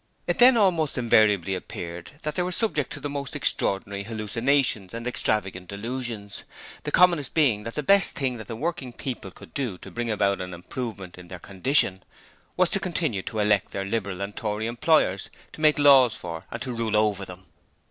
It then almost invariably appeared that they were subject to the most extraordinary hallucinations and extravagant delusions, the commonest being that the best thing that the working people could do to bring about an improvement in their condition, was to continue to elect their Liberal and Tory employers to make laws for and to rule over them!